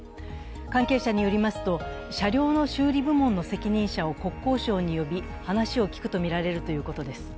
関係者によりますと、車両の修理部門の責任者を国交省に呼び、話を聞くとみられるということです。